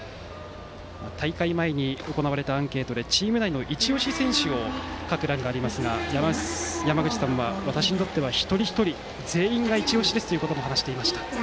大会前に行われたアンケートでチーム内のいち押し選手を書く欄がありますが、山口さんは私にとっては一人一人、全員がいち押しですと話していました。